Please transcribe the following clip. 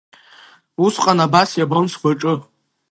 Усҟан абас иабон сгәаҿы.